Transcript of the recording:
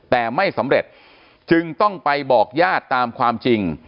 แต่ไม่สำเร็จจึงต้องไปบอกญาติตามความจริง